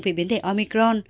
về biến thể omicron